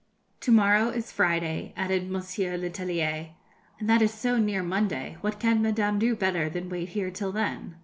'To morrow is Friday,' added Monsieur Letellier, 'and that is so near Monday, what can Madame do better than wait here till then?'